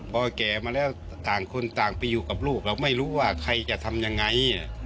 พอแก่มาแล้วต่างคนต่างไปอยู่กับลูกเราไม่รู้ว่าใครจะทำยังไง